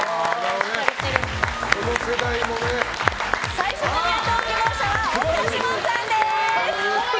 最初の入党希望者は大倉士門さんです。